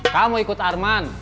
kamu ikut arman